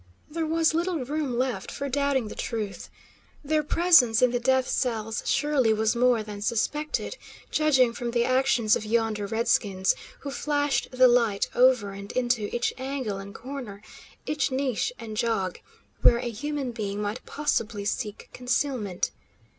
There was little room left for doubting the truth. Their presence in the death cells surely was more than suspected, judging from the actions of yonder redskins, who flashed the light over and into each angle and corner, each niche and jog, where a human being might possibly seek concealment.